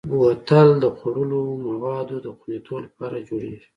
بوتل د خوړلو موادو د خوندیتوب لپاره جوړېږي.